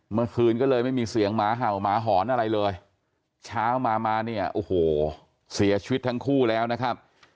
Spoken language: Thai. เมื่อคืนก็เลยไม่มีเสียงหมาเห่าหมาหอนอะไรเลยเช้ามามาเนี่ยโอ้โหเสียชีวิตทั้งคู่แล้วนะครับ